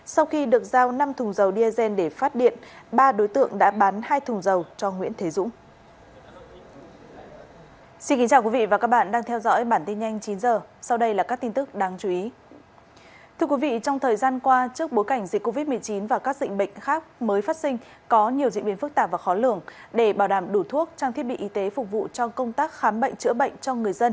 sau khi được giao năm thùng dầu diazen để phát điện ba đối tượng đã bán hai thùng dầu cho nguyễn thế dũng